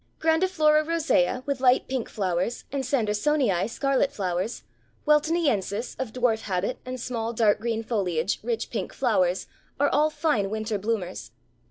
Grandiflora rosea, with light pink flowers, and Sandersonii, scarlet flowers; Weltoniensis, of dwarf habit and small dark green foliage, rich pink flowers, are all fine winter bloomers.